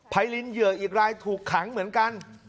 ภรีรินทรีย์หย่อกหลายถูกขังเหมือนกัน